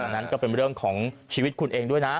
นั้นก็เป็นเรื่องของชีวิตคุณเองด้วยนะ